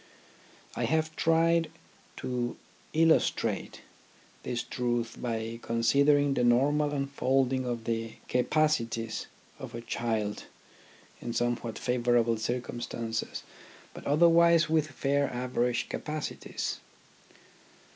I have tried to illustrate this truth by considering the normal unfolding of the capacities of a child in somewhat favourable circumstances but otherwise with fair average capacities.